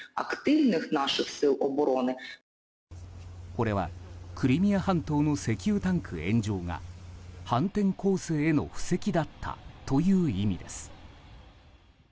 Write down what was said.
これはクリミア半島の石油タンク炎上が反転攻勢への布石だったという意味です。